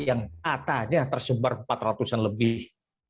yang atanya tersumbar empat ratus an lebih